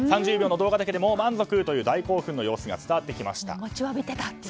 ３０秒の動画だけでもう満足という大興奮の様子が伝わってきました。